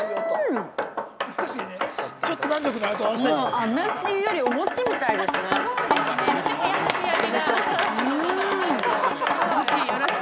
あめっていうよりお餅みたいですね。